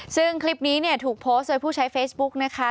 ซึ่งคลิปนี้เนี่ยถูกโพสต์โดยผู้ใช้เฟซบุ๊กนะคะ